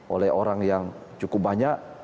oleh orang yang cukup banyak